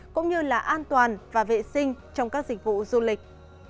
cũng như là an toàn và vệ sinh trong các dịch vụ du lịch